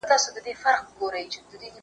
نر او ښځو به نارې وهلې خدایه